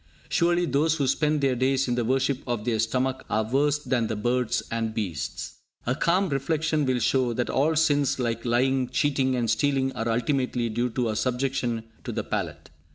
Surely those who spend their days in the worship of their stomach are worse than the birds and beasts. A calm reflection will show that all sins like lying, cheating and stealing are ultimately due to our subjection to the palate.